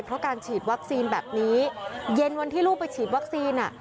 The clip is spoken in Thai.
เพราะการฉีดวัคซีนแบบนี้เย็นวันที่ลูกไปฉีดวัคซีน